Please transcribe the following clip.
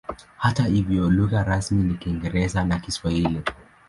Hata hivyo lugha rasmi ni Kiingereza na Kiswahili.